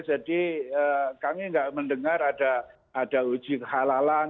jadi kami tidak mendengar ada uji kehalalan